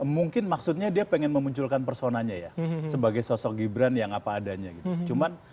mungkin maksudnya dia pengen memunculkan personanya ya sebagai sosok gibran yang apa adanya gitu cuman